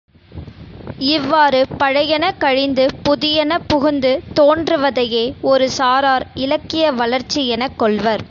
இவ்வாறு பழையன கழிந்து, புதியன புகுந்து தோன்றுவதையே, ஒரு சாரார் இலக்கிய வளர்ச்சி எனக் கொள்வர்.